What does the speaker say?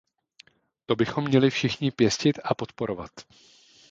To bychom měli všichni pěstit a podporovat.